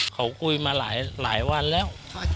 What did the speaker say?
เขาคุยมาหลายวันแล้ว